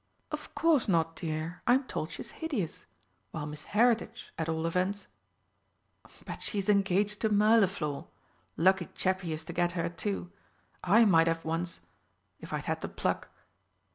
"Of course not, dear, I'm told she's hideous. While Miss Heritage, at all events " "But she's engaged to Mirliflor! Lucky chap he is to get her, too. I might have once, perhaps if I'd had the pluck!"